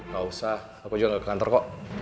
gak usah aku juga gak ke kantor kok